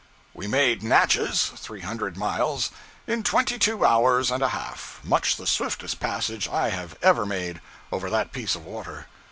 We made Natchez (three hundred miles) in twenty two hours and a half much the swiftest passage I have ever made over that piece of water.